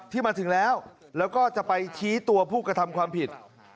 ที่มาถึงแล้วแล้วก็จะไปชี้ตัวผู้กระทำความผิด